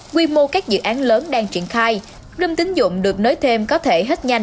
quy mô các dự án lớn đang triển khai râm tính dụng được nối thêm có thể hết nhanh